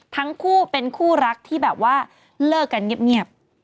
ทั้งคู่เป็นคู่รักที่แบบว่าเลิกกันเงียบ